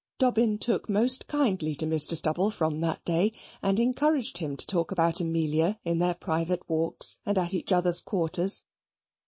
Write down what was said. Dobbin took most kindly to Mr. Stubble from that day, and encouraged him to talk about Amelia in their private walks, and at each other's quarters.